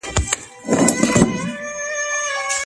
ایا کوچني پلورونکي شین ممیز پروسس کوي؟